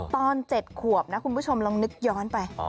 ตอน๗ขวบนะคุณผู้ชมลองนึกย้อนไป